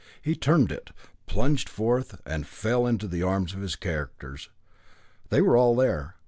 He turned it, plunged forth, and fell into the arms of his characters. They were all there.